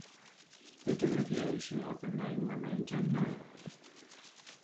The derivation of the name remains unknown.